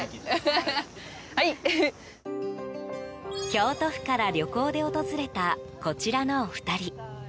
京都府から旅行で訪れたこちらのお二人。